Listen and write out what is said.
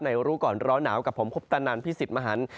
รู้ก่อนร้อนหนาวกับผมคุปตนันพิสิทธิ์มหัน